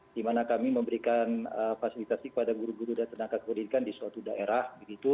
di mana kami memberikan fasilitasi kepada guru guru dan tenaga pendidikan di suatu daerah